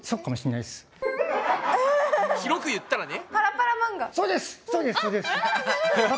広く言ったらね。